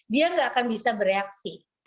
dia nggak akan bisa bereaksi